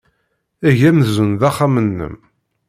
Eg amzun d axxam-nnem.